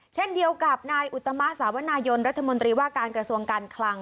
เช่นเดียวกับนายอุตมะสาวนายนรัฐมนตรีว่าการกระทรวงการคลัง